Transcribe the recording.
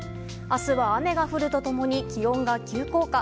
明日は、雨が降ると共に気温が急降下。